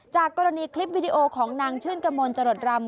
จากกรณีคลิปวิดีโอของนางชื่นกระมวลจรดรำ